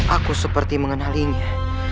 aku seperti mengenalinya